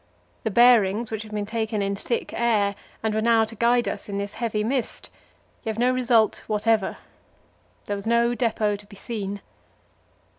The bearings, which had been taken in thick air, and were now to guide us in this heavy mist, gave no result whatever. There was no depot to be seen.